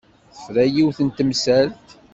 Tefra yiwet n temsalt.